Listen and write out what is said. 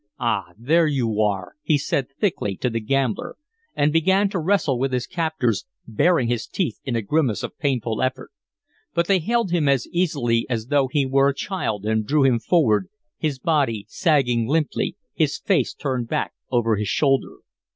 "Ah, there you are!" he said, thickly, to the gambler, and began to wrestle with his captors, baring his teeth in a grimace of painful effort; but they held him as easily as though he were a child and drew him forward, his body sagging limply, his face turned back over his shoulder.